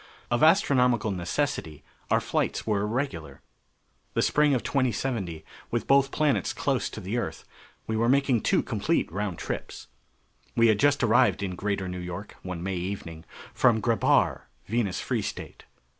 Of astronomical necessity, our flights were irregular. The spring of 2070, with both planets close to the Earth, we were making two complete round trips. We had just arrived in Greater New York, one May evening, from Grebhar, Venus Free State.